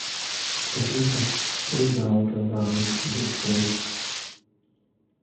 Computer, read out aloud this page.